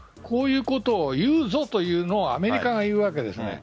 こういうことを言うぞというのをアメリカが言うわけです。